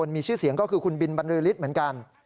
มีชื่อเสียงก็คือคุณบินบรรลือฤทธิ์เหมือนกัน